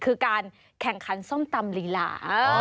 คือการแข่งขันส้มตำลีลา